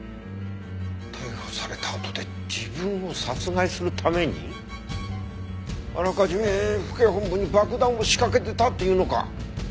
逮捕されたあとで自分を殺害するためにあらかじめ府警本部に爆弾を仕掛けてたっていうのか？